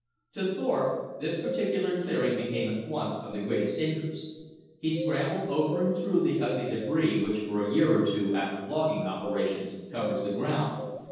To Thorpe this particular clearing became at once of the greatest interest. He scrambled over and through the ugly debris which for a year or two after logging operations cumbers the ground.